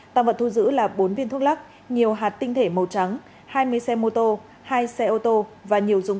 tăng vật thu giữ là bốn viên thuốc lắc nhiều hạt tinh thể màu trắng hai mươi xe mô tô hai xe ô tô và nhiều dụng